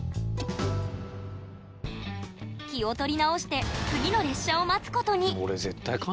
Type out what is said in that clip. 気を取り直して次の列車を待つことに。